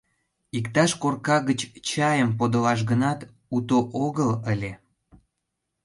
— Иктаж корка гыч чайым подылаш гынат, уто огыл ыле.